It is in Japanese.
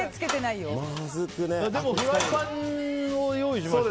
でもフライパンを用意しましたよ。